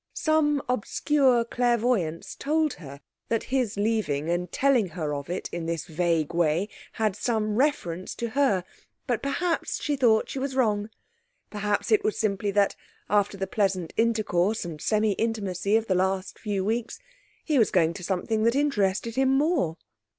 Some obscure clairvoyance told her that his leaving and telling her of it in this vague way had some reference to her; but perhaps (she thought) she was wrong; perhaps it was simply that, after the pleasant intercourse and semi intimacy of the last few weeks, he was going to something that interested him more?